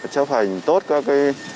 chấp hành tốt các